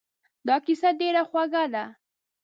دا کیسه ډېره خوږه ده.